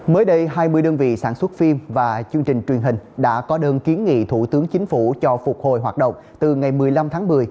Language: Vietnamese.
mới đây hai mươi đơn vị sản xuất phim và chương trình truyền hình đã có đơn kiến nghị thủ tướng chính phủ cho phục hồi hoạt động từ ngày một mươi năm tháng một mươi